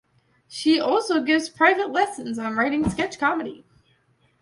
She also gives private lessons on writing sketch comedy.